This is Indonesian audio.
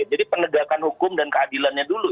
jadi penegakan hukum dan keadilannya dulu